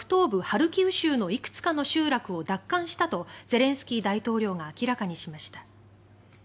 ハルキウ州のいくつかの集落を奪還したとゼレンスキー大統領が明らかにしました。